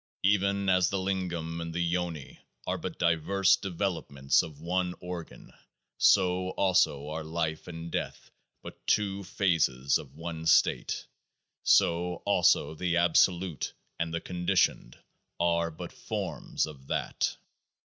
Even as the Lingam and the Yoni are but diverse developments of One Organ, so also are Life and Death but two phases of One State. So also the Absolute and the Con ditioned are but forms of THAT.